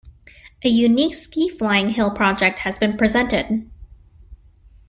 A unique ski flying hill project has been presented.